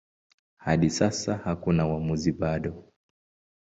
Hadi sasa hakuna uamuzi bado.